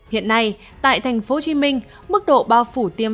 hiện nay tại tp hcm